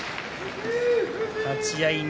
立ち合い錦